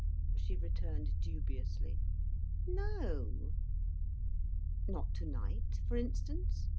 she returned dubiously, "no!" "Not to night, for instance!"